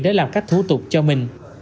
để làm các thủ tục cho mình